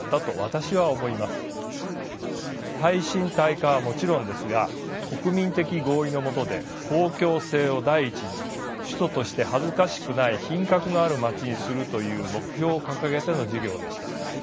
耐震・耐火はもちろんですが国民的合意のもとで公共性を第一に首都として恥ずかしくない品格のある街にするという目標を掲げての事業でした。